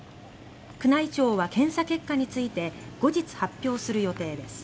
宮内庁は検査結果について後日、発表する予定です。